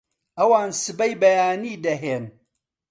ئەوان سبەی بەیانی دەهێن